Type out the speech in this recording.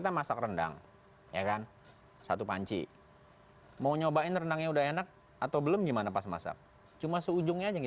terima kasih pak bung kondi